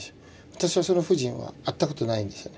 私はその夫人は会ったことないんですよね。